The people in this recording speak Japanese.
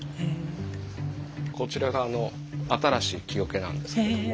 こちらが新しい木おけなんですけれども。